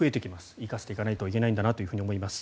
生かしていかないといけないんだなと思います。